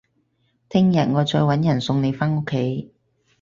聽日我再搵人送你返屋企